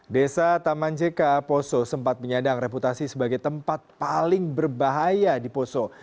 desa taman jeka poso sempat menyadang reputasi sebagai tempat paling berbahaya di poso